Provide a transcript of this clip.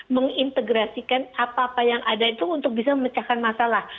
mengintegrasikan apa apa yang ada itu untuk bisa memecahkan masalah